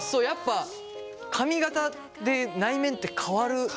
やっぱ髪形で内面って変わる。